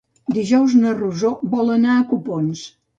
Dijous na Rosó vol anar a Copons.